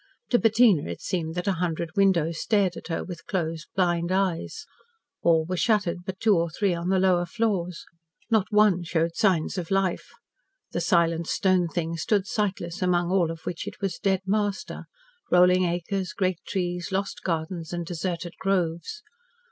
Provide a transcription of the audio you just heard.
To Bettina it seemed that a hundred windows stared at her with closed, blind eyes. All were shuttered but two or three on the lower floors. Not one showed signs of life. The silent stone thing stood sightless among all of which it was dead master rolling acres, great trees, lost gardens and deserted groves.